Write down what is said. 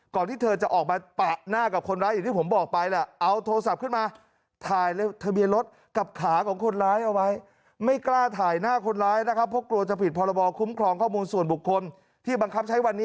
ก่อนที่เธอจะออกมาปะหน้ากับคนร้ายอย่างที่ผมบอกไป